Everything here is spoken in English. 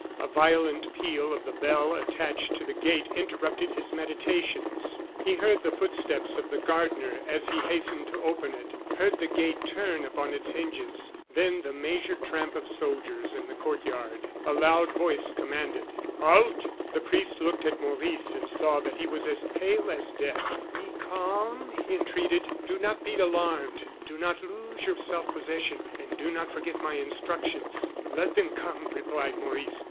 A violent peal of the bell attached to the gate interrupted his meditations. He heard the footsteps of the gardener as he hastened to open it, heard the gate turn upon its hinges, then the measured tramp of soldiers in the court yard. A loud voice commanded: "Halt!" The priest looked at Maurice and saw that he was as pale as death. "Be calm," he entreated; "do not be alarmed. Do not lose your self possession and do not forget my instructions." "Let them come," replied Maurice.